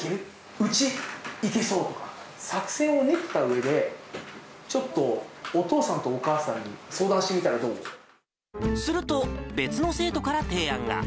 うち、行けそう、作戦を練ったうえで、ちょっとお父さんとお母さすると別の生徒から提案が。